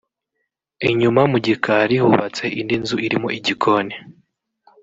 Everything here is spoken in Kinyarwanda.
Inyuma mu gikari hubatse indi nzu irimo igikoni